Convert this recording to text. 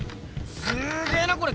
すげえなこれ！